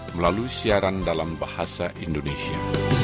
melalui siaran dalam bahasa indonesia